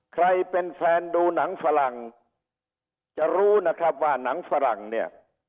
ใครเป็นแฟนดูหนังฝรั่งจะรู้นะครับว่าหนังฝรั่งเนี่ย